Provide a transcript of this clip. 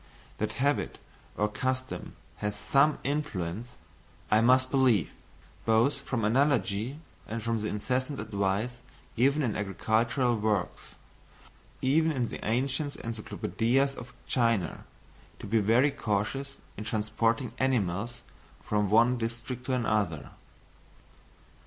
That habit or custom has some influence, I must believe, both from analogy and from the incessant advice given in agricultural works, even in the ancient Encyclopædias of China, to be very cautious in transporting animals from one district to another.